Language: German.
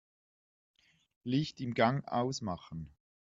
Licht im Gang ausmachen.